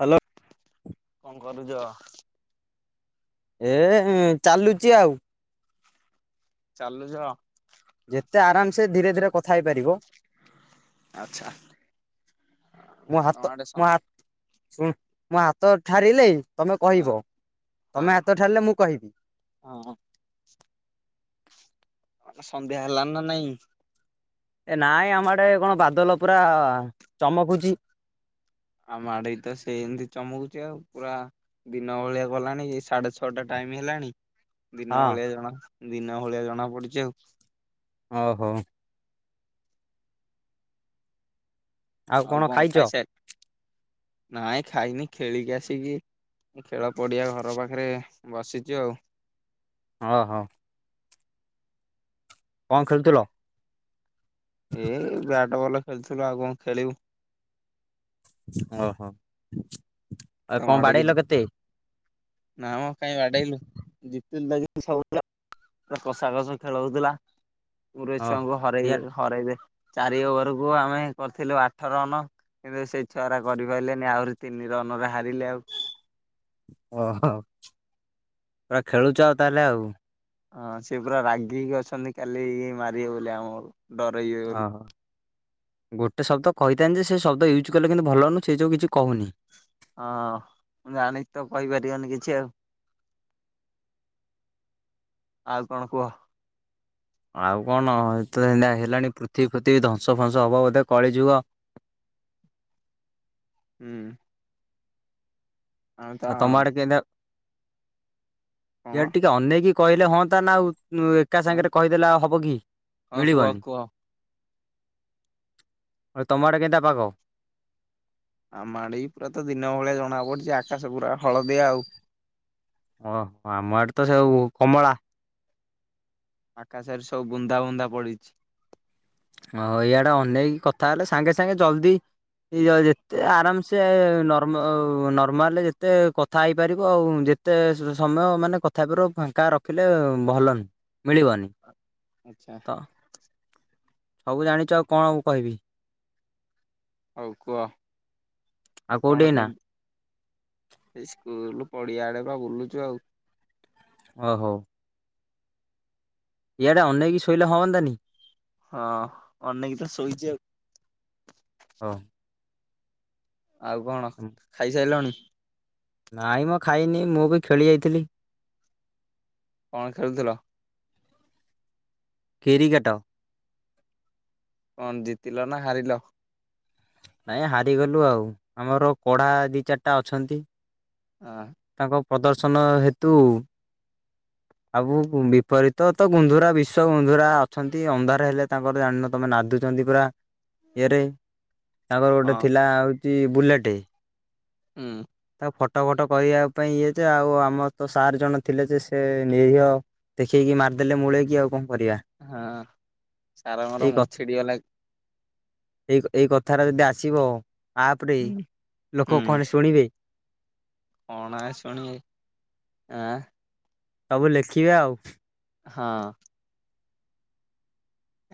Hello. କଣ କରୁଜ? ଏ ଚାଲୁଚି ଆଉ। ଚାଲୁଚ ଯେତେ ଆରାମସେ ଧୀରେ ଧୀରେ କଥା ହେଇପାରିବ। ଆଚ୍ଛା ମୋ ତମ ହାତ ଆଡେ ସ ମୋ ହା ଶୁ ମୋ ହାତ ଠାରିଲେ ତମେ ହଁ କହିବ ତମେ ହାତ ଠାରିଲେ ମୁଁ କହିବି। ଓହୋ ତମ ସନ୍ଧ୍ୟା ହେଲାନି ନା ନାଇଁ? ଏ ନାଇଁ ଆମ ଆଡେ କଣ ବାଦଲ ପୁରା ଚମକୁଚି? ଆମ ଆଡେଇ ତ ସେ ଏମିତି ଚମକୁଚି ଆଉ ପୁରା ଦିନ ଓଳିଆ ଗଲାଣି ଏ ସାଢେ ଛଅଟା ଟାଇମ ହେଲାଣି। ଦିନ ହଁ ଭଳିଆ ଜଣା ଦିନ ଭଳିଆ ଜଣା ପଡୁଛି ଆଉ। ଓହୋ ଆଉ କଣ ଖାଇସାର ଖେଳ ପଡିଆ ଘର ପାଖରେ ବସିଚୁ ଆଉ। ଅହ କଣ ଖେଳୁଥିଲ? ଏଇ ବ୍ୟାଟ ବଲ ଖେଳୁଥିଲୁ ଆଉ କଣ ଖେଳିବୁ, ଓହୋ ଆଉ ତମ କଣ ଆଡେ କିଛି ବାଡ଼େଇଲ କେତେ? ନା ମ କାଇଁ ବାଡେଇଲୁ [unintelligible] ସବୁ ପିଲା ପୁରା କଷା କଷି ଖେଳ ହଉଥିଲା। ପୁରୀ ଓହୋ ଛୁଆଙ୍କୁ ହରେଇ ଦେ ଇଆଡ ହରେଇ ଦେ। ଚାରି ଓଭରକୁ ଆମେ କରିଥିଲୁ ଆଠ ରନ। କିନ୍ତୁ ସେ ଛୁଆଗୋରା କରିପାରିଲେନି ଆହୁରି ତିନି ରନରେ ହାରିଲେ ଆଉ। ଓ ହଁ ପା ଖେଳୁଚ ତାହେଲେ ଆଉ। ହଁ ସେ ପୁରା ରାଗିକି ଅଛନ୍ତି କାଲି ମାରିବେ ବୋଲି ଆମକୁ। ଡରେଇବେ ହଁ ବୋଲି ହଁ। ଗୋଟେ ଶବ୍ଦ କହିଥାନ୍ତି ଯେ ସେ ଶବ୍ଦ ୟୁଜ୍ କଲେ କିନ୍ତୁ ଭଲ ନୁଅ ସେ ଯୋଉ କିଛି କହୁନି। ହଁ ମୁଁ ଜାଣିକି ତ କହିପାରିବନି କିଛି ଆଉ। ଆଉ କଣ କୁହ? ଆଉ କଣ ଏ ହେଲାଣି ପୃଥିବୀ ପୃଥିବୀ ଧ୍ୱଂସ ଫଂସ ହବ ବୋଧେ କଳି ଯୁଗ ହୁଁ। ଆଉ ତମ ଆଡେ କେତିଆ କଣ ଇଆଡ ଟିକେ ଅନେଇକି କହିଲେ ହୁଅନ୍ତା ନା ଆଉ ଏକା ହଁ ସାଙ୍ଗରେ କ କହିଦେଲା ଆଉ ହବ କି ହଁ କୁହ ମିଳିବନି। କୁହ ଆଉ ତମ ଆଡେ କେନ୍ତା ପାଗ? ଆମା ଆଡ଼େ ତ ପୁରା ତ ଦିନ ଭଳିଆ ଜଣା ପଡୁଛି ଆକାଶ ପୁରା ହଳଦିଆ ଆଉ। ଓହୋ ଆମ ଆଡେ ତ ସବୁ କମଳା। ଆକାଶରେ ସବୁ ବୁନ୍ଧା ବନ୍ଧା ପଡିଛି। ହ ଇଆଡା ଅନେଇକି କଥା ହେଲେ ସାଙ୍ଗେ ସାଙ୍ଗେ ଜଲଦି ଯେତେ ଆରାମସେ ସେ ନର୍ମ ନର୍ମାଲରେ ଯେତେ କଥା ହେଇପାରିବ ଆଉ ଯେତେ ସମୟ ମାନେ କ ଠାକୁର୍ ଫାଙ୍କା ରଖିଲେ ଭଲ ନୁହଁ ମିଳିବନି। ଆଚ୍ଛା। ତ ସବୁ ଜାଣିଛ ଆଉ କଣ କହିବି? ହଉ କୁହ ଆଉ ଆଉ କୋଉଠି କଣ ଏଇନା କେମତି? ଏଇ ସ୍କୁଲ ପଡିଆଡେ ତ ବୁଲୁଛୁ ଆଉ। ଓ ହଉ। ଇଆଡ଼େ ଏନେଇକି ଶୋଇଲେ ହନ୍ତାନି। ହଁ ଅନେକି ତ ଶୋଇଛି ଆଉ। ହଁ। ଆଉ କଣ ଖାଇସାରିଲଣି? ନାଇଁ ମଁ ଖାଇନି ମୁଁ ବି ଖେଳି ଯାଇଥିଲି। କଣ ଖେଳୁଥିଲ? କିରିକେଟ। କଣ ଜିତିଲ ନା ହାରିଲ? ନାଇଁ ହାରିଗଲୁ ଆଉ ଆମର କଢା ଦି ଚାରିଟା ଅଛନ୍ତି। ହଁ। ତାଙ୍କ ପ୍ରଦର୍ଶନ ହେତୁ ଆଉ ବିପରୀତ ତ ଗୁନ୍ଧୁରା ବିଶ୍ୱ ଗୁନ୍ଧୁରା ଅଛନ୍ତି ଅନ୍ଧାର ହେଲେ ତାଙ୍କର ଜାଣିନ ତମେ ନାଧୁଛନ୍ତି ପୁରା ଇଏରେ ତାଙ୍କର ଗୋଟେ ହଁ ଥିଲା ହେଉଛି ବୁଲେଟ୍ ହୁଁ। ତାକୁ ଫଟୋ ଫଟୋ କରିବା ପାଇଁ ଇଏ ଯେ ଆଉ ଆମର ତ ସାର୍ ଜଣ ଥିଲେ ଯେ ସେ ନିରିହ ଦେଖେଇକି ମାରିଦେଲେ ମୁୂଳେଇକି ଆଉ କଣ କରିବା। ହଁ ସାରଙ୍ଗର ଏଇ ମୁଁ କଥା ଛିଡିଗଲା। ଏଇ ଏଇ କଥାଟା ଯଦି ଆସିବ ଆପ ରେ ହୁଁ ଲୋକ କଣ ଶୁଣିବେ। କଣ ଆଉ ଶୁଣିବେ ଆଁ। ସବୁ ଲେଖିବେ ଆଉ। ହଁ।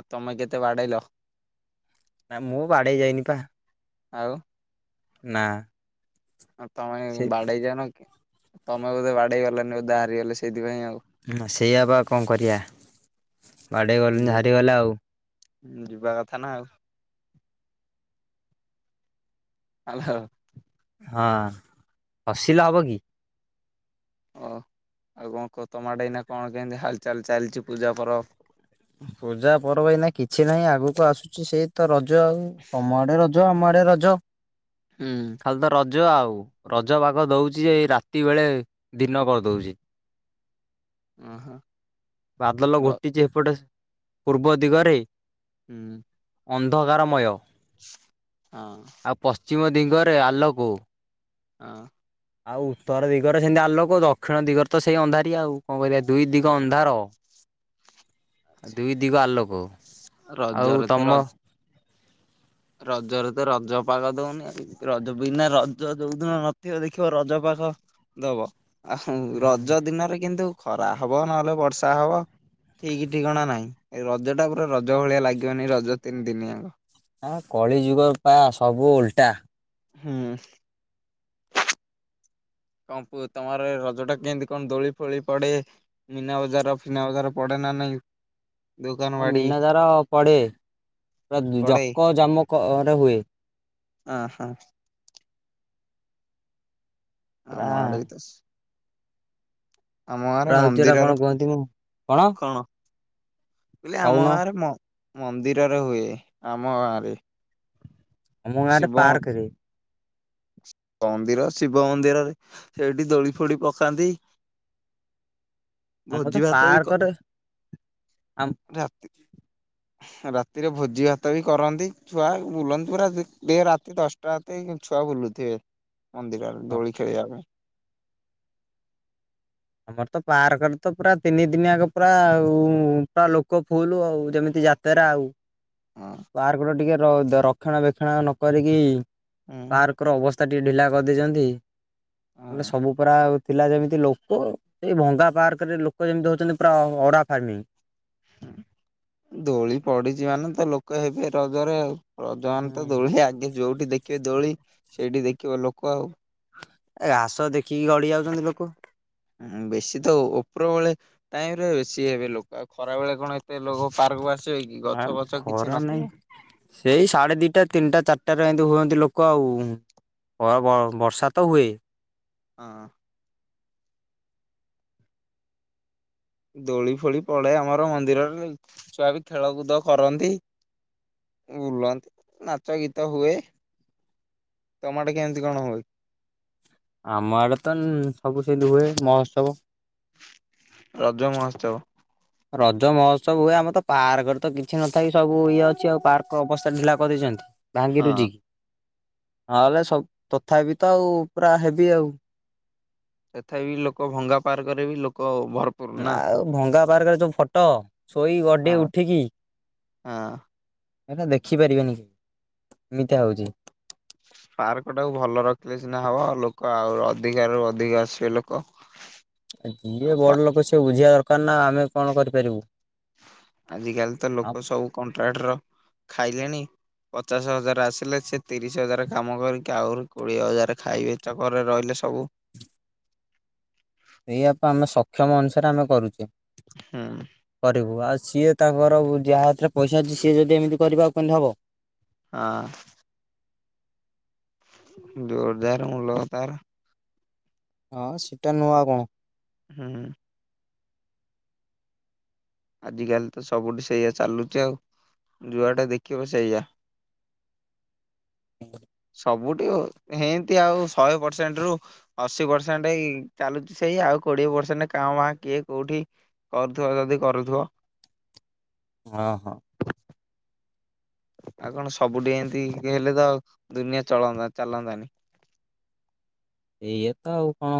ଆଉ ତମେ କେତେ ବାଡେଇଲ। ନାଇଁ ମୁଁ ବାଡେଇ ଯାଇନି ପା। ଆଉ ନା। ତମେ ସେ ବାଡେଇ ଜାଣିନ ତମେ ବୋଧେ ବାଡେଇ ଗଲାନି ବୋଧେ ହାରିଗଲେ ସେଇଥିପାଇଁ ଆଉ। ସେଇଆ ପା ଆଉ କଣ କରିବା ବାଡ଼େଇ ଗଲିନି ଯେ ଯିବା ହାରିଗଲା ଆଉ। ଯିବା କଥା ନା ଆଉ। ହେଲୋ। ହଁ ହସିଲେ ହବ କି। ଓ ଆଉ କଣ ତମ ଆଡେ କଣ କେମିତି ହାଲଚାଲ ଚାଲିଛି ପୂଜା ପରବ। ପୂଜା ପର୍ବ ଏଇନା କିଛି ନାହିଁ ଆଗକୁ ଆସୁଛି ସେଇ ତ ରଜ ଆଉ କମ ଆଡେ ରଜ। ଯ ଆମ ଆଡେ ରଜ। ହୁଁ। ଖାଲି ତ ରଜ ଆଉ ରଜ ପାଗ ଦଉଛି ଯେ ରାତି ବେଳେ ଦିନ କରିଦେଉଛି। ଓହୋ। ବାଦଲ ର ଘଟିଛି ଏପଟେ ପୂର୍ବ ଦିଗରେ। ହୁଁ। ଅନ୍ଧକାରମୟ। ହଁ। ଆଉ ପଶ୍ଚିମ ଦିଗରେ ଆଲୋକ। ହଁ। ଆଉ ଉତ୍ତର ଦିଗରେ ସେମିତି ଆଲୋକ ଦକ୍ଷିଣ ଦିଗରେ ତ ସେଇ ଅନ୍ଧାର ଆଉ କଣ କହ ଦୁଇ ଦିଗ ହଁ। ଅନ୍ଧାର। ଆଉ ଦୁଇ ଦିଗ ଆଲୋକ। ଆଉ ରଜର ତ ତମ ରଜ। ରଜରେ ତ ରଜ ପାଗ ଦଉନି ଆଉ ରଜ ବିନା ରଜ ଯୋଉଦିନ ନଥିବ ଦେଖିବ ରଜ ପାଗ। ଦବ ଆଉ ରଜ ଦିନରେ କିନ୍ତୁ ଖରା ହବ ନହେଲେ ବର୍ଷା ହବ। ଠିକ ଠିକଣା ନହିଁ ଏ ରଜ ଟା ପୁରା ରଜ ଭଳିଆ ଲାଗିବନି ରଜ ତିନି ଦିନିଆଙ୍କ। ଆ କଳି ଯୁଗ ପା ସବୁ ଓଲଟା। ହଁ। କଣ ପ ତମର ଏ ରଜ ଟା କେମିତି କଣ ଦୋଳି ଫୋଳି ପଡେ। ମନା ବଜାର ଫିନା ବଜାର ପଡ଼େ ନା ନାହିଁ। ହଁ ମନା ଦାର ପଡ଼େ ପୁରା ପଡେ? ଜକ ଜାମ କରେ ହୁଏ। ହ ହଁ। ହଁ ପୁରା ଆମ ଆଡେ ବି ତ। ଆମ ଗାଁରେ ରହୁଛି ଏଟା ମନ୍ଦିରର କଣ କୁହନ୍ତି ମୁଁ କଣ। ବୋଲେ ଆମ କହୁନ ଗାଁରେ ମନ୍ଦିରରେ ହୁଏ ଆମ ଗାଁରେ। ଆମ ଗାଁରେ ଶିବ ପାର୍କ ରେ। ମନ୍ଦିର ଶିବ ମନ୍ଦିରରେ ସେଇଠି ଦୋଳି ଫୋଳୀ ପକାନ୍ତି। ଆମର ତ ଭୋଜି ଭାତ ବି ପାର୍କରେ ଆମ କରା ହୁଏ ରାତିରେ। ରାତିରେ ଭୋଜି ଭାତ ବି କରନ୍ତି ଛୁଆ ବୁଲନ୍ତି ପୁରା ରାତି ଦଶଟା। ଟା ଛୁଆ ବୁଲୁଥିବେ ମନ୍ଦିରରେ ଦୋଳି ଖେଳିବା ପାଇଁ। ଆମର ତ ପାର୍କରେ ତ ପୁରା ତିନି ଦିନି ଯାକ ପୁରା ଆଉ ପୁରା ଲୋକ ଫୁଲୁ ଆଉ ଯେମିତି। ଯାତେରା ଆଉ। ହଁ ପାର୍କ ର ଟିକେ ରକ୍ଷଣା ବକ୍ଷଣା ନକିକି ହୁଁ। ପାର୍କ ର ଅବସ୍ତା। ତା ଟିକେ ଢିଲା କରିଦେଇଛନ୍ତି ହେଲେ ହଁ ସବୁ ପୁରା। ଥିଲା ଯେମିତି ଲୋକ ଏଇ ଭଙ୍ଗା ପାର୍କରେ ଲୋକ ଯେମିତି ହଉଛନ୍ତି ପୁରା ଅରା ଫାର୍ମିଂ। ଦୋଳି ପଡିଛି ମାନେ ତ ଲୋକ ହେବେ ରଜରେ ଆଉ। ରଜାନ ତ ଦୋଳି ଆଗେ ଯୋଉଠି ଦେଖିବେ ଦୋଳି ସେଇଠି ଦେଖିବ ଲୋକ ଆଉ। ଏ ଘାସ ଦେଖିକି ଗଡି ଯାଉଛନ୍ତି ଲୋକ। ହଁ ବେଶୀ ତ ଉପର ବେଳେ। ଟାଇମ ରେ ବେଶୀ ହେବେ ଲୋକ ଆଉ ଖରା ବେଳେ କଣ ଏତେ ଲୋକ ପାର୍କକୁ ଆସ। କି ନାଇଁ ଗଛ ମ ଫଛ କିଛି ଖରା ନାଇଁ ନଥିବ। ସେଇ ସାଢ଼େ ଦିଟା ତିନିଟା ଚାରିଟାରେ ଏମିତି ହୁଅନ୍ତି ଲୋକ ଆଉ। ବର୍ଷା ତ ହୁଏ। ହଁ। ଦୋଳି ଫୋଳି ପଡେ ଆମର ମନ୍ଦିର ଛୁଆ ବି ଖେଳକୁଦ କରନ୍ତି ବୁଲନ୍ତି ନାଚ ଗୀତ ହୁଏ ତମ ଆଡ଼େ କେମିତି କଣ ହୁଏ। ଆମ ଆଡେ ତ ସବୁ ସେଠି ହୁଏ ମହୋତ୍ସବ। ରଜ ମହୋତ୍ସବ ରଜ ମହୋତ୍ସବ ହୁଏ ଆମର ତ ପାର୍କରେ ତ କିଛି ନଥାଇ ସବୁ ଇଏ ଅଛି ଆଉ ପାର୍କ ଅବସ୍ଥା ଢିଲା କରିଦେଇଚନ୍ତି। ଭାଙ୍ଗିରୁୁଜି ହଁ କିି ନହେଲେ ସବୁ ତଥା ବିି ତ ଆଉ ପୁରା ହେବି ଆଉ। ସେଥା ବିି ଲୋକ ଭଙ୍ଗା ପାର୍କରେ ବି ଲୋକ ଭର ଆଉ ଭଙ୍ଗା ପାର୍କରେ ଯୋଉ ଫଟ ଶୋଇ ଗଡ଼େ ହଁ ଉଠିକି ହଁ ଏଟା ଦେଖିପାରିବେନି କେ ଏମିତି ହଉଚି। ପାର୍କଟାକୁ ଭଲ ରଖିଲେ ସିନା ହେବ ଲୋକ ଆଉ ଅଧିକାରୁ ଅଧିକ ଆସିବେ ଲୋକ। ହ ଯିଏ ବଡ଼ ଲୋକ ସିଏ ବୁଝିବା ଦରକାର ନା ଆମେ କଣ କରିପାରିବୁ। ଆଜିକାଲି ତ ଆ ଲୋକ ସବୁ କଣ୍ଟ୍ରାକ୍ଟର ଖାଇଲେଣି। ପଚାଶ ହଜାର ଆସିଲେ ସେ ତିରିଶ ହଜାର କାମ କରିକି ଆହୁରି କୋଡ଼ିଏ ହଜାର ଖାଇବେ ଚକରେ ରହିଲେ ସବୁ। ଏଇଆପ ଆମେ ସକ୍ଷମ ଅନୁସାରେ ଆମେ କରୁଚେ। ହୁଁ। କରିବୁ ଆଉ ସିଏ ତାଙ୍କର ଯାହା ହାତରେ ପଇସା ଅଛି ସିଏ ଯଦି ଏମିତି କରିବା ଆଉ କେମତି ହେବ? ହଁ। ଜୋରଦାର ମୁଲତାର। ହଁ ସେଟା ନୂଅ ଆଉ କଣ? ହୁଁ। ଆଜିକାଲି ତ ସବୁଠି ସେଇଆ ଚାଲୁଚି ଆଉ ଯୁଆଡେ ଦେଖିବ ସେଇଆ। ସବୁଠି ଏମତି ଆଉ ଶହେ ପରସେଣ୍ଟ ରୁ ଅଶୀ ପରସେଣ୍ଟ ଚାଲୁଚି ସେଇ ଆଉ କୋଡିଏ ପରସେଣ୍ଟ କାଁ ବା କିଏ କୋଉଠି କରୁଥିବ ଯଦି କରୁଥିବ। ହଁ ହଁ। ଆଉ କଣ ସବୁଠେ ଏମତି ହେଲେ ତ ଦୁନିଆ ଚଳନ୍ତା ଚାଲନ୍ତାନି। ଏଇଏ ତ ଆଉ କଣ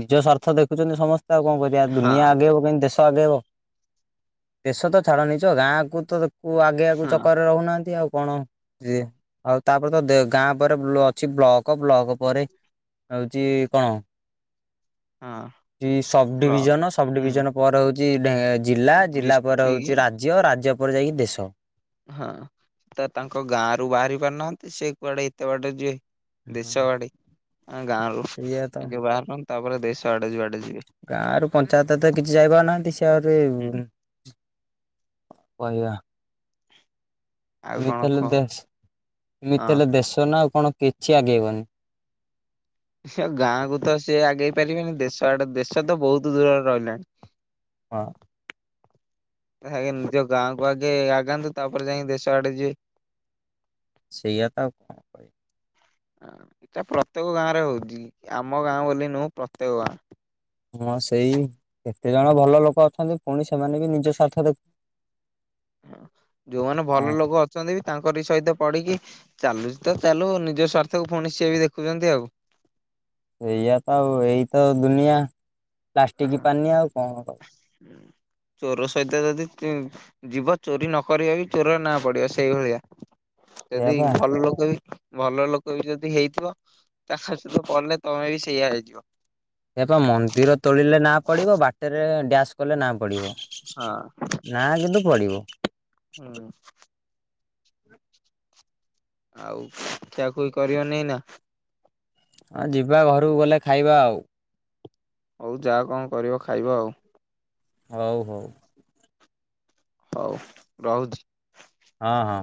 ନିଜ ସ୍ୱାର୍ଥ ଦେଖୁଚନ୍ତି ସମସ୍ତେ ଆଉ କଣ କରି ହଁ ଦୁନିଆ ଆଗେଇବ କହିଁତି ଦେଶ ଆଗେଇବ ଦେଶ ତ ଛାଡନିଜ ଗାଁ କକୁ ତ କୁ ଆଗେ ଆଗକୁ ହଁ ଚକରରେ ରହୁନାହାନ୍ତି ଆଉ କଣ ଆଉ ତାପରେ ତ ଗାଁ ପରେ ଅଛି ବ୍ଲକ ବ୍ଲକ ପରେ ହଉଚି କଣ ହଁ ସବ ବ୍ଲକ ଡିଭିଜନ ସବ ହୁଁ ଡିଭିଜନ ପରେ ହଉଚି ଜିଲ୍ଲା ଜିଲ୍ଲା ପରେ ହଉଚି ଡିଷ୍ଟ୍ରିକ୍ଟ ରାଜ୍ୟ ଝିଅ ରାଜ୍ୟ ଉପରେ ଯାଇକି ଦେଶ। ହଁ ସେ ତ ତାଙ୍କ ଗାଁ ରୁ ବାହାରି ପାରୁନାହାନ୍ତି ସେ କୁଆଡେ ଏତେ ବାଡେ ଯିଏ। ଦେଶ ବାଡି ଗାଁରୁ ସେଇଆ ତ ଆଗେ ବାହାରନ୍ତୁ ତାପରେ ଦେଶ ଆଡେ ଯୁଆଡେ ଯିବେ। ଗାଁରୁ ପଞ୍ଚାୟତ ତ କିଛି ଯାଇପାରୁନାହାନ୍ତି ସେ ଆହୁରି ହୁଁ। କହିବା। ଆଉ କଣ ଏମିତି ହେଲେ କହ? ଦେଶ ଏମିତି ହଁ ହେଲେ ଦେଶ ନା ଆଉ କଣ କି କିଛି ଆଗେଇବନି ସେ ଗାଁକୁ ତ ସିଏ ଆଗେଇ ପାରିବେନି ଦେଶ ଆଡ଼ ଦେଶ ତ ବହୁତ ଦୂରରେ ରହିଲାଣି। ହଁ। ନିଜ ଗାଁକୁ ଆଗେ ଆଗାନ୍ତୁ ତାପରେ ଯାଇକ ଦେଶ ଆଡ଼େ ଯି ସେଇଆ ତ। କହିବି। ଏଇଟା ପ୍ରତ୍ୟେକ ଗାଁ ରେ ହଉଛି ଆମ ଗାଁ ବୋଲି ନୁହଁ ପ୍ରତ୍ୟେକ ଗାଁ। ହଁ ସେଇ କେତେ ଜଣ ଭଲ ଲୋକ ଅଛନ୍ତି ପୁଣି ସେମାନେ ବି ନିଜ ସାର୍ଥ ଦେଖୁ ଯୋଉମାନେ ହଁ ଭଲ ଲୋକ ଅଛନ୍ତି ବି ତାଙ୍କରି ସହିତ ପଡ଼ିକି ଚାଲୁଛି ତ ଚାଲୁ ନିଜ ସ୍ୱାର୍ଥକୁ ପୁଣି ସିଏ ବି ଦେଖୁଛନ୍ତି ଆଉ। ଏଇଆ ତ ଆଉ ଏଇତ ଦୁନିଆ ପ୍ଲାଷ୍ଟିକ ପାନି ଆଉ କଣ କର ଚୋର ସହିତ ଯଦି ଯିବ ଚୋରି ନକରି ବି ଚୋର ନା ପଡ଼ିବ ସେଇଭଳିଆ। ସେଇଆ ଯଦି ପା ଭଲ ଲୋକ ବି ଭଲ ଲୋକ ବି ଯଦି ହେଇଥିବ ତା ସହିତ କଲେ ତମେ ବି ସେଇଆ ହେଇଯିବ। ସେ ପା ମନ୍ଦିର ତୋଳିଲେ ନା ପଡ଼ିବ ବାଟରେ ଡ୍ୟାସ୍ କଲେ ନା ପଡ଼ିବ। ହଁ [unintelligible] ନା କିନ୍ତୁ ପଡ଼ିବ। ହୁଁ। ଆଉ ଖିଆଖୁଇ କରିବନି ନା। ହଁ ଯିବା ଘରକୁ ଗଲେ ଖାଇବା ଆଉ। ହଉ ଯାହା କଣ କରିବ ଖାଇବ ଆଉ। ହଉ ହଉ। ହଉ ରହୁଛି। ହଁ ହଁ।